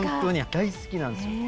大好きなんですよ。